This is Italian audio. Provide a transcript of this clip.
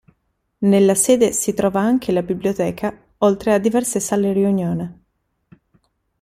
Nella sede si trova anche la biblioteca oltre a diverse sale riunione.